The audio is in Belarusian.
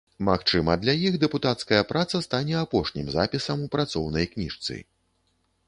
Магчыма, для іх дэпутацкая праца стане апошнім запісам у працоўнай кніжцы.